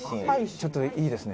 「ちょっといいですね。